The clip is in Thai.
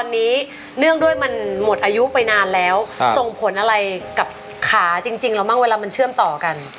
อันนี้เนื่องด้วยมันหมดอายุไปนานแล้วส่งผลอะไรกับขาจริงเราบ้างเวลามันเชื่อมต่อกัน